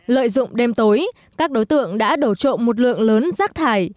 lợi dụng đêm tối các đối tượng đã đổ trộm một lượng lớn rác thải